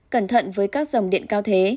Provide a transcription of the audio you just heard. bốn cẩn thận với các dòng điện cao thế